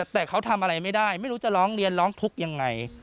แต่เขาทำอะไรไม่ได้ไม่รู้จะร้องเรียนร้องทุกข์ยังไง